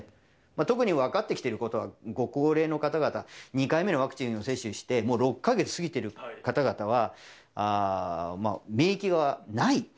特に分かってきてることは、ご高齢の方々、２回目のワクチンを接種して、もう６か月過ぎてる方々は、免疫がない。